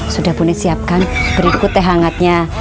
sudah bune siapkan berikut teh hangatnya